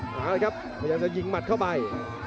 นะครับมันยังจะยิงหมัดเข้าไป